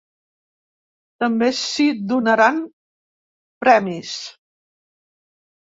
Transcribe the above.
També s’hi donaran premis.